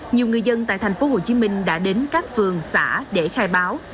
nhiều người dân tại thành phố hồ chí minh đã đến các phường xã để khai báo